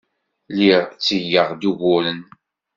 Lliɣ ttgeɣ-d uguren.